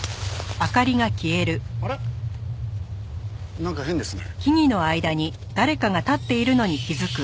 なんか変ですね。